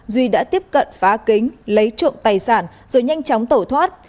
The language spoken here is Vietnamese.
duy đã tiếp cận phá kính lấy trộm tài sản rồi nhanh chóng tẩu thoát